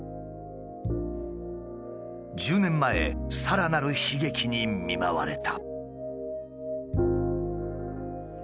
１０年前さらなる悲劇に見舞われた。